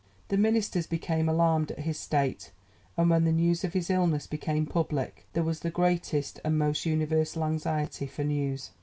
The Ministers became alarmed at his state, and when the news of his illness became public there was the greatest and most universal anxiety for news.